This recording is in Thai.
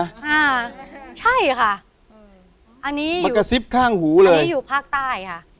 อ่าใช่ค่ะอืมอันนี้กระซิบข้างหูเลยอันนี้อยู่ภาคใต้ค่ะ